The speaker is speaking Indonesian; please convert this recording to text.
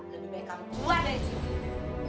lebih baik kamu keluar dari sini